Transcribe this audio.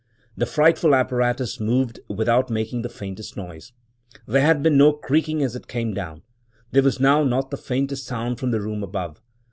The frightful apparatus moved without making the faintest noise. There had been no creaking as it came down; there was now not the faintest sound from the room above.